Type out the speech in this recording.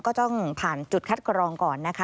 ก็ต้องผ่านจุดคัดกรองก่อนนะคะ